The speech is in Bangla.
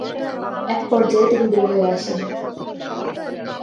এক পর্যায়ে তিনি বের হয়ে আসেন।